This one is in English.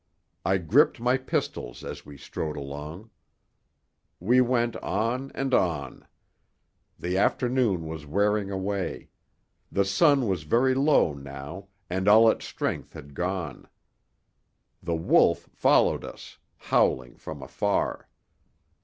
I gripped my pistols as we strode along. We went on and on. The afternoon was wearing away; the sun was very low now and all its strength had gone. The wolf followed us, howling from afar.